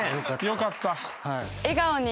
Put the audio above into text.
よかった。